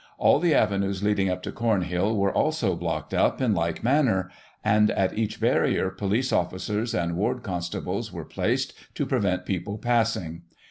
All the avenues leading to Comhill were also blocked up in like manner; and, at each barrier, police officers and ward con stables were placed to prevent people passing.